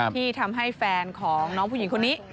ที่ทำให้แฟนของน้องผู้หญิงคนนี้